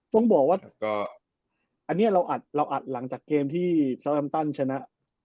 ต้องบอกว่าอันนี้เราอัดหลังจากเกมที่เซลล์อัมตันชนะ